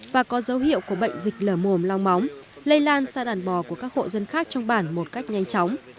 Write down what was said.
và có dấu hiệu của bệnh dịch lở mồm long móng lây lan sang đàn bò của các hộ dân khác trong bản một cách nhanh chóng